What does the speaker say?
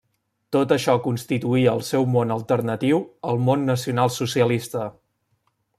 Tot això constituïa el seu món alternatiu al món nacionalsocialista.